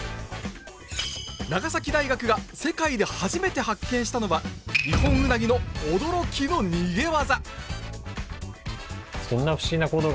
長崎大学が世界で初めて発見したのはニホンウナギの驚きの逃げ技！